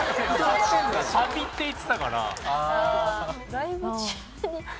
ライブ中に。